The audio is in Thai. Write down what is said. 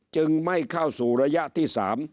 จึงไม่เข้าสู่ระยะที่๓